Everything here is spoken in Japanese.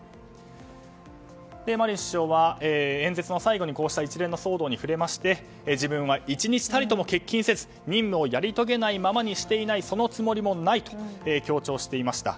マリン首相は演説の最後にこうした一連の騒動に触れまして自分は一日たりとも欠勤せず任務をやり遂げないままにしていないそのつもりもないと強調していました。